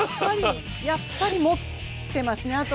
やっぱり持ってますね。